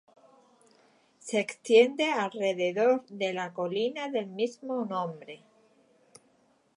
Se extiende alrededor de la colina del mismo nombre.